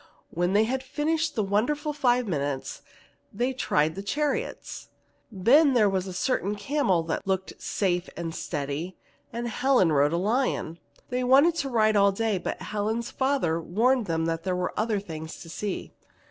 When they had finished the wonderful five minutes, they tried the chariots. Then there was a certain camel that looked safe and steady, and Helen rode a lion. They wanted to ride all day, but Helen's father warned them that there were other things to see.